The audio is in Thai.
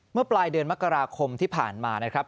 เมื่อปลายเดือนมกราคมที่ผ่านมานะครับ